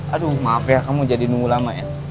aduh maaf ya kamu jadi nunggu lama ya